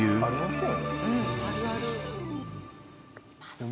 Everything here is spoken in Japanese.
そう。